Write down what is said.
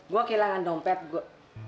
gua kehilangan dompet gua